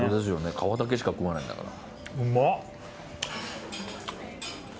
皮だけしか食わないんだから。